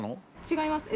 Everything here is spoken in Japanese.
違います。